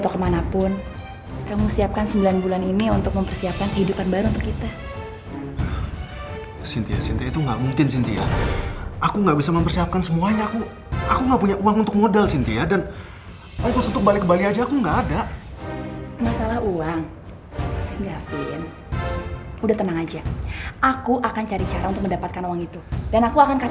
kamu ini anak perempuan mama satu satunya nak